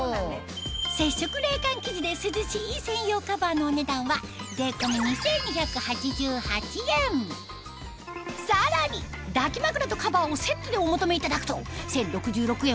接触冷感生地で涼しい専用カバーのお値段はさらに抱き枕とカバーをセットでお求めいただくと１０６６円